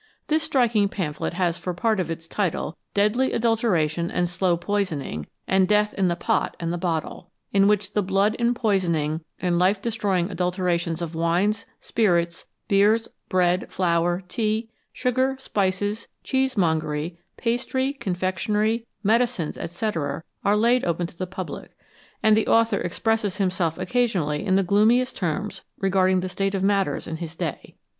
This striking pamphlet has for part of its title " Deadly Adulteration and Slow Poisoning, and Death in the Pot and the Bottle ; in which the blood empoisoning and life destroy ing adulterations of wines, spirits, beers, bread, flour, tea, sugar, spices, cheesemongery, pastry, confectionery, medi cines, &c., are laid open to the public," and the author expresses himself occasionally in the gloomiest terms regarding the state of matters in his day.